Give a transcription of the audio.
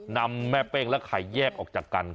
นำแม่เป้งและไข่แยกออกจากกัน